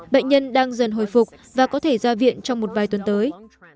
bệnh nhân đang dần hồi phục và có thể ra viện trong một vài tuần tới